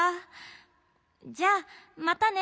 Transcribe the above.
じゃあまたね。